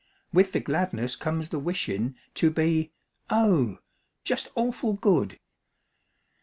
With the gladness comes the wishin' To be, oh, just awful good!